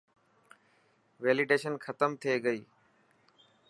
ويليڊيشن ختم ٿي گئي.